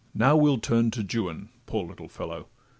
Now we'll turn to Juan. Poor little fellow!